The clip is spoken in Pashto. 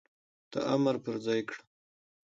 تا امر پر ځای کړ،